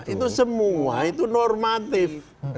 itu semua itu normatif